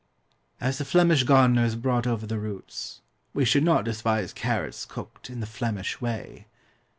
As the Flemish gardeners brought over the roots, we should not despise carrots cooked in the FLEMISH way.